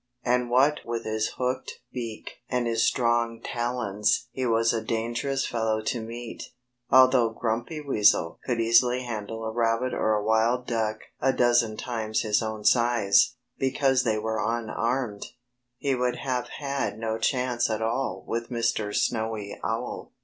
And what with his hooked beak and his strong talons he was a dangerous fellow to meet. Although Grumpy Weasel could easily handle a rabbit or a wild duck a dozen times his own size, because they were unarmed, he would have had no chance at all with Mr. Snowy Owl.